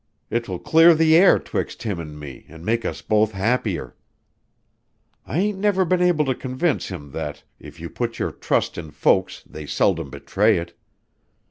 'Twill clear the air 'twixt him an' me, an' make us both happier. I ain't never been able to convince him that if you put your trust in folks they seldom betray it.